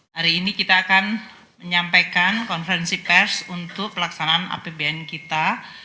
hari ini kita akan menyampaikan konferensi pers untuk pelaksanaan apbn kita